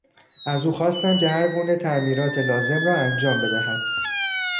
از او خواستم که هر گونه تعمیرات لازم را انجام بدهد.